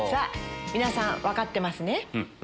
皆さん分かってますね。